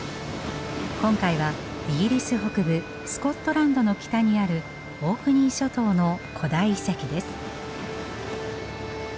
今回はイギリス北部スコットランドの北にあるオークニー諸島の古代遺跡です。